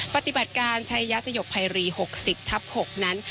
ปฏิบัติการชัยยะสยบภัยรี๖๐ทับ๖นั้น